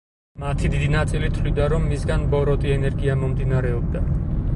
მათი დიდი ნაწილი თვლიდა, რომ მისგან ბოროტი ენერგია მომდინარეობდა.